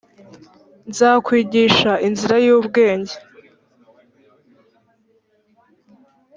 nzakwigisha inzira y ubwenge